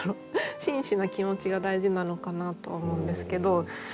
真摯な気持ちが大事なのかなとは思うんですけど。